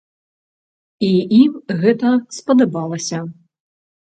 І ім гэта спадабалася!